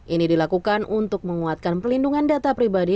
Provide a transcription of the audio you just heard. ini dilakukan untuk menguatkan pelindungan data pribadi